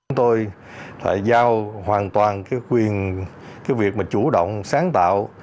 chúng tôi giao hoàn toàn cái quyền cái việc mà chủ động sáng tạo